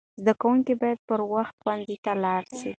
زده کوونکي باید پر وخت ښوونځي ته لاړ سي.